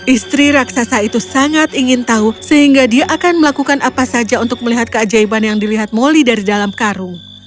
istri raksasa itu sangat ingin tahu sehingga dia akan melakukan apa saja untuk melihat keajaiban yang dilihat moli dari dalam karung